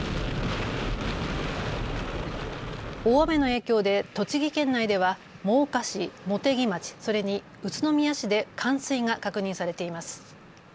大雨の影響で栃木県内では真岡市、茂木町、それに宇都宮市で冠水が確認されています。